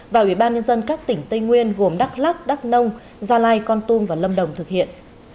và ủy ban nhân dân các tỉnh tây nguyên gồm đắk lắc đắk nông gia lai con tum và lâm đồng thực hiện